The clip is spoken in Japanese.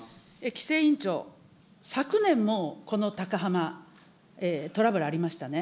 規制委員長、昨年もこの高浜、トラブルありましたね。